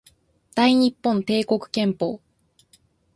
大日本帝国憲法